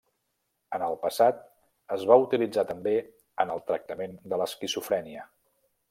En el passat, es va utilitzar també en el tractament de l'esquizofrènia.